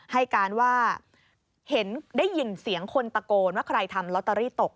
ให้การว่าเห็นได้ยินเสียงคนตะโกนว่าใครทำลอตเตอรี่ตก